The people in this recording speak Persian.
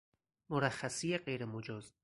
مرخصی غیر مجاز